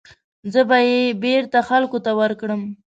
زه به یې بېرته خلکو ته ورکړم.